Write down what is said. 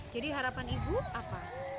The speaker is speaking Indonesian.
jadi harapan ibu apa